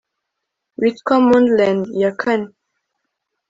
witwa mondlane ya kane